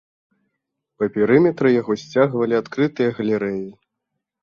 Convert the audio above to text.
Па перыметры яго сцягвалі адкрытыя галерэі.